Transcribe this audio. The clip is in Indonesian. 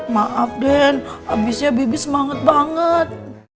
maaf den abisnya bibi semangat banget